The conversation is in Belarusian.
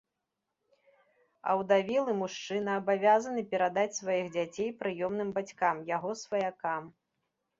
Аўдавелы мужчына абавязаны перадаць сваіх дзяцей прыёмным бацькам, яго сваякам.